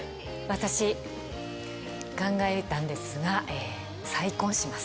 私考えたんですが再婚します。